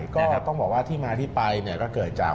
ก็ต้องบอกว่าที่มาที่ไปเนี่ยก็เกิดจาก